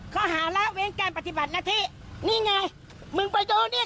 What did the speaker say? เขาหาเล่าเว้นการปฏิบัตินาทินี่ไงมึงไปดูเนี้ย